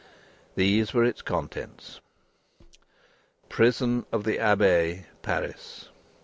These were its contents: "Prison of the Abbaye, Paris.